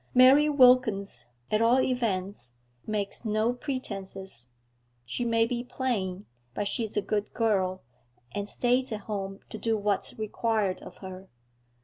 Mary Wilkins, at all events, makes no pretences; she may be plain, but she's a good girl, and stays at home to do what's required of her.